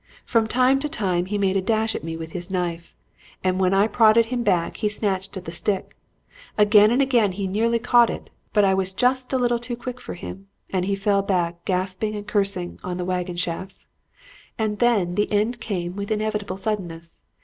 From time to time he made a dash at me with his knife, and when I prodded him back, he snatched at the stick. Again and again he nearly caught it, but I was just a little too quick for him, and he fell back, gasping and cursing, on the wagon shafts. And then the end came with inevitable suddenness.